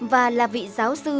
và là vị giáo sư